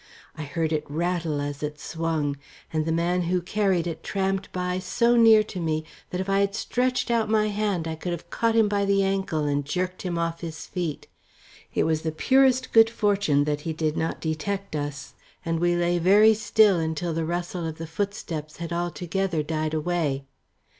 I heard it rattle as it swung, and the man who carried it tramped by so near to me that if I had stretched out my hand I could have caught him by the ankle and jerked him off his feet. It was the purest good fortune that he did not detect us, and we lay very still until the rustle of the footsteps had altogether died away.